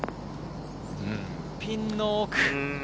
ピンの奥。